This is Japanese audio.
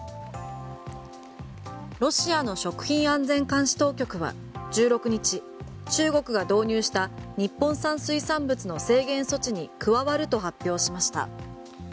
ロシアの食品安全監視当局は１６日中国が導入した日本産水産物の制限措置に加わると発表しました。